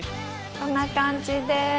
こんな感じです。